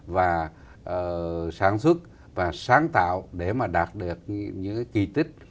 và sản xuất và sáng tạo để mà đạt được những kỳ tích